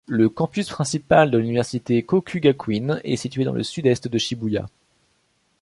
Le campus principal de l'université Kokugakuin est situé dans le Sud-Est de Shibuya.